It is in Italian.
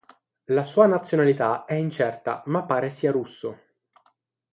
La sua nazionalità è incerta, ma pare sia russo.